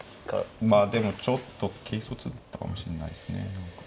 まあでもちょっと軽率だったかもしんないっすね。